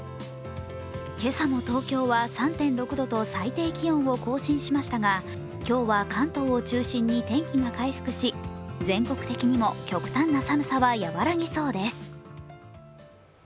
今朝も東京は３．６度と最低気温を更新しましたが今日は関東を中心に天気が回復し全国的にも極端な寒さはやわらぎそうです。